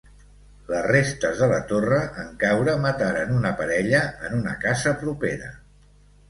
Les restes de la torre en caure mataren una parella en una casa propera.